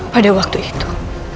pada waktu itu